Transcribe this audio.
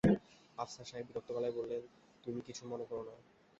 আফসার সাহেব বিরক্ত গলায় বললেন, তুমি কিছু মনে করো না।